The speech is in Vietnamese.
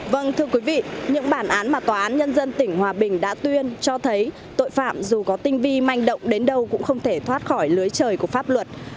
vâng thưa quý vị những bản án mà tòa án nhân dân tỉnh hòa bình đã tuyên cho thấy tội phạm dù có tinh vi manh động đến đâu cũng không thể thoát khỏi lưới trời của pháp luật